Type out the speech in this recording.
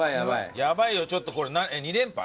やばいよちょっとこれ２連敗？